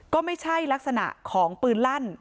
ก็ไม่ใช่ลักษณะของปืนลั่น